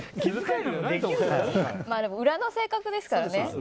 裏の性格ですからね。